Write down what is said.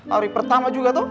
hari pertama juga tuh